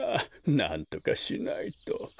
なんとかしないと。